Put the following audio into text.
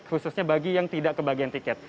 khususnya bagi yang tidak kebagian tiket